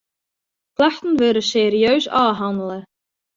Klachten wurde serieus ôfhannele.